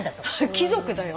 貴族だよ。